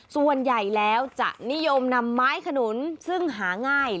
ส่วนใหญ่แล้วจะนิยมนำไม้ขนุนซึ่งหาง่าย